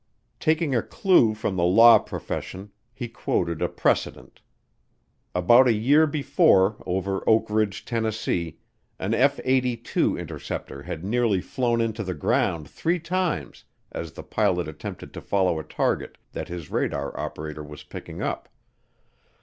Taking a clue from the law profession, he quoted a precedent. About a year before over Oak Ridge, Tennessee, an F 82 interceptor had nearly flown into the ground three times as the pilot attempted to follow a target that his radar operator was picking up.